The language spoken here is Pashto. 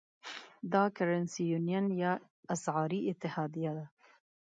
دا Currency Union یا اسعاري اتحادیه ده.